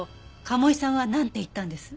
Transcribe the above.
賀茂井さんはなんて言ったんです？